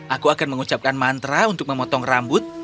aku akan mengucapkan mantra untuk memotong rambut